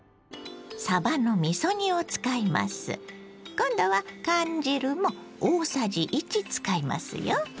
今度は缶汁も大さじ１使いますよ。